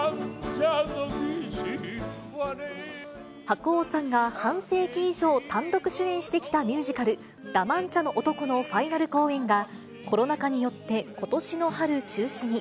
白鸚さんが半世紀以上、単独主演してきたミュージカル、ラ・マンチャの男のファイナル公演が、コロナ禍によってことしの春中止に。